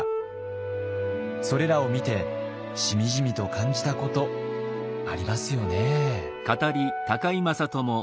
それらを見てしみじみと感じたことありますよね。